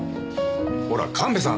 ほら神戸さん